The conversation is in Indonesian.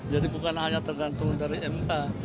jadi bukan hanya tergantung dari mk